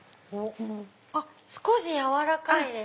あっ少し軟らかいです。